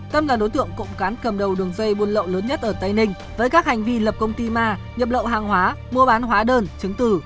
tâm là đối tượng cộng cán cầm đầu đường dây buôn lậu lớn nhất ở tây ninh với các hành vi lập công ty ma nhập lậu hàng hóa mua bán hóa đơn chứng từ